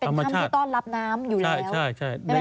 เป็นถ้ำที่ต้อนรับน้ำอยู่แล้ว